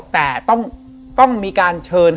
แต่ต้องมีการเดินเข้ามา